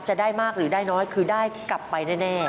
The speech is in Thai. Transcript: จะได้มากหรือได้น้อยคือได้กลับไปแน่